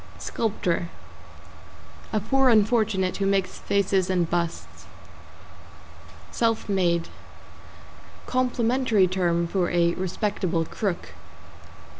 =SCULPTOR= A poor unfortunate who makes faces and busts. =SELF MADE= Complimentary term for a respectable crook.